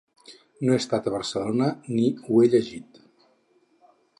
No he estat a Barcelona ni ho he llegit.